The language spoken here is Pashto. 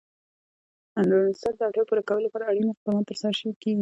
د نورستان د اړتیاوو پوره کولو لپاره اړین اقدامات ترسره کېږي.